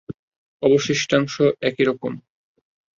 অবশিষ্টাংশ একই রকম।